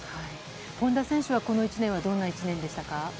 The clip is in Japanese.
本多選手はこの１年はどんな１年でしたか？